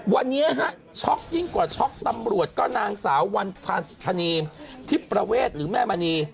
วันนี้ฮะช็อกยิ่งกว่าช็อกตำรวจก็นางสาววันพาสิธนีทิพประเวทหรือแม่มณี